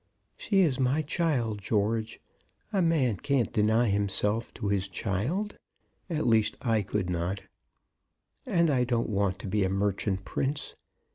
"She is my child, George. A man can't deny himself to his child. At least I could not. And I don't want to be a merchant prince.